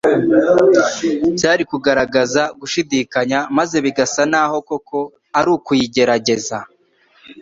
Byari kugaragaza gushidikanya, maze bigasa n'aho koko, ari ukuyigerageza